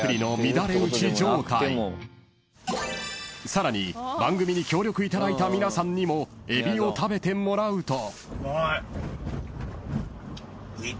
［さらに番組に協力いただいた皆さんにもエビを食べてもらうと］